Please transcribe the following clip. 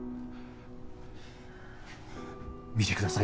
見てください